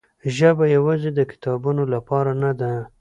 ژبه یوازې د کتابونو لپاره نه ده.